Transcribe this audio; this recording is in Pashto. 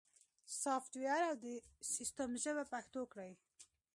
سافت ویر او سیستم ژبه پښتو کړئ